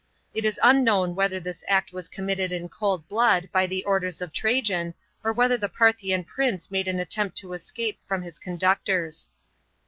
It is unknown whether this act was committed in cold blood by the orders of Trajan, or whether the Parthian prince made an attempt to escape from his conductors.